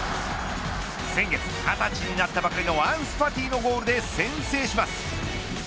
先月２０歳になったばかりのアンス・ファティのゴールで先制します。